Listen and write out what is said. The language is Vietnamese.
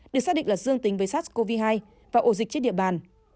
được xác định là dương tính với sars cov hai và ổ dịch trên địa bàn